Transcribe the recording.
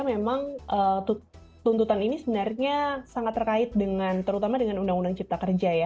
memang tuntutan ini sebenarnya sangat terkait dengan terutama dengan undang undang cipta kerja ya